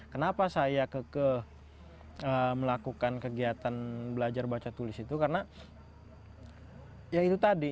kenapa saya melakukan kegiatan belajar baca tulis itu karena ya itu tadi